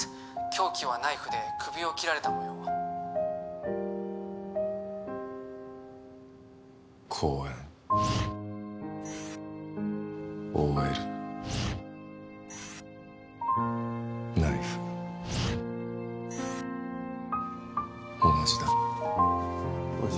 凶器はナイフで首を切られたもよう公園ＯＬナイフ同じだおい